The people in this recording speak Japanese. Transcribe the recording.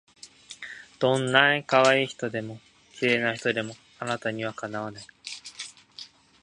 どんない可愛い人でも綺麗な人でもあなたには敵わない